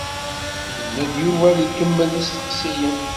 Yenna-d Yuba ad ikemmel isteqsiyen.